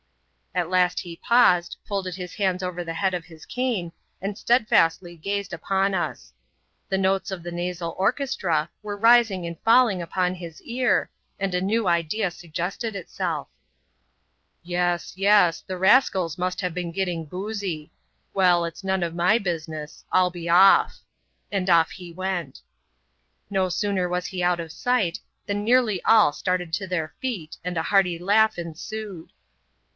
At last he paused, folded his hands over the head of his cane, and steadfastly gazed upon us. The notes of the nasal or chestra were rising and falling upon his ear, and a new idea suggested itsel£ Yes, yes ; the rascals must have been getting boozy. Well, , it^8 none of my business — I'll be off; " and off he went No sooner was he out of sight, than nearly all started to their feet, and a hearty laugh ensued.